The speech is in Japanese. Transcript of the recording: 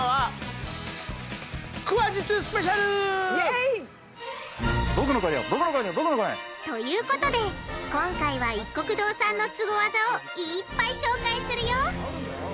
いぇい！ということで今回はいっこく堂さんのスゴ技をいっぱい紹介するよ！